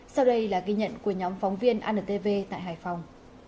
sau đây là ghi nhận của nhóm phóng viên antv tại hải phòng